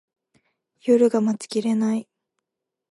夜が待ちきれない